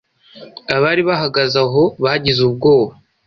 Abari bahagaze aho bagize ubwoba;